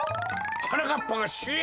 はなかっぱがしゅえん！？